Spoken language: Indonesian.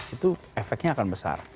itu efeknya akan besar